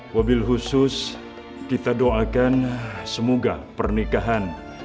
mobil khusus kita doakan semoga pernikahan